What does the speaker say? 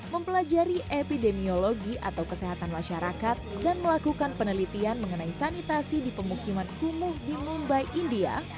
mempelajari epidemiologi atau kesehatan masyarakat dan melakukan penelitian mengenai sanitasi di pemukiman kumuh di lumbai india